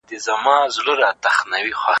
هیلې په خپګان سره خپلې شونډې یو ځای کړې.